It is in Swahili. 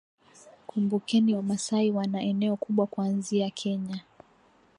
Kumbukeni Wamasai wanna eneo kubwa kuanzia Kenya